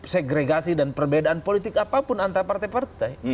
segregasi dan perbedaan politik apapun antar partai partai